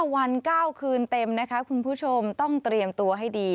วัน๙คืนเต็มนะคะคุณผู้ชมต้องเตรียมตัวให้ดี